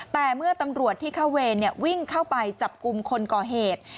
แต่เมื่อตำรวจที่เข้าเวรวิ่งเข้าไปจับกลุ่มคนก่อเหตุ